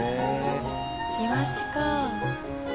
イワシか。